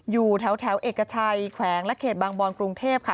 อยู่แถวเอกชัยแขวงและเขตบางบอนกรุงเทพค่ะ